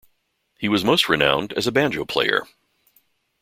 He was most renowned as a banjo player.